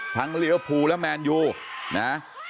ทั้งเรียลภูและแมนยูนะ